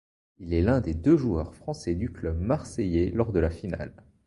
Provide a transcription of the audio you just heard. Il est l'un des deux joueurs français du club marseillais lors de la finale.